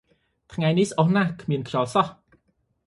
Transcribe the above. ថ្ងៃនេះស្អុះណាស់ គ្មានខ្យល់សោះ ។